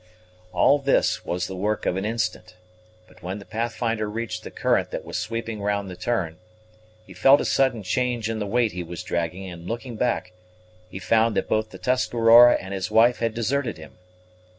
All this was the work of an instant; but when the Pathfinder reached the current that was sweeping round the turn, he felt a sudden change in the weight he was dragging, and, looking back, he found that both the Tuscarora and his wife had deserted him.